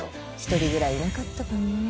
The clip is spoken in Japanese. １人ぐらいいなかったかね